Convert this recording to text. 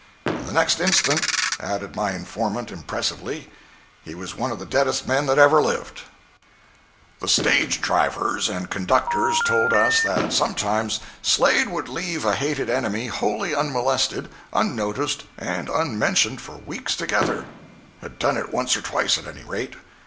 "And the next instant," added my informant, impressively, "he was one of the deadest men that ever lived." 085.jpg (94K) The stage drivers and conductors told us that sometimes Slade would leave a hated enemy wholly unmolested, unnoticed and unmentioned, for weeks together—had done it once or twice at any rate.